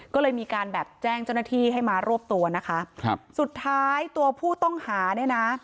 ก็เลยมีการแบบแจ้งเจ้าหน้าที่ให้มารวบตัวนะคะครับสุดท้ายตัวผู้ต้องหาเนี่ยนะ